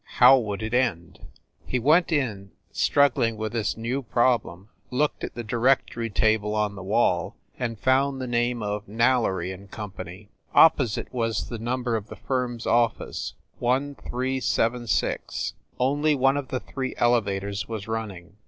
How would it end? He went in, struggling with this new problem, looked at the directory table on the wall, and found the name of "Nailery & Co." Opposite was the num ber of the firm s office, 1376. Only one of the three elevators was running.